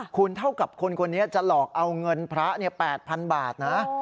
คุณเท่ากับคนคนนี้จะหลอกเอาเงินพระ๘๐๐๐บาทนะ